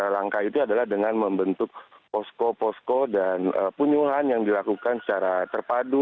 langkah itu adalah dengan membentuk posko posko dan penyuhan yang dilakukan secara terpadu